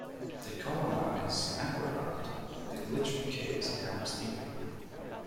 They colonised Aglarond, the glittering caves in Helm's Deep.